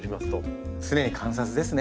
常に観察ですね。